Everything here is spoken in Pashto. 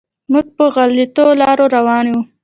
موږ په غلطو لارو روان یم.